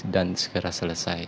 dan segera selesai